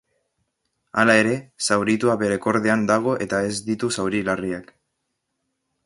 Hala ere, zauritua bere kordean dago eta ez ditu zauri larriak.